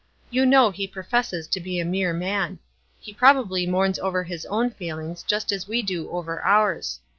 You know he professes to be a mere man. He probably mourns over his own failings just as we do over ours.